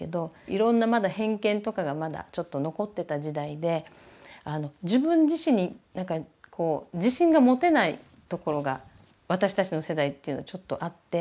いろんなまだ偏見とかがまだちょっと残ってた時代で自分自身になんかこう自信が持てないところが私たちの世代っていうのはちょっとあって。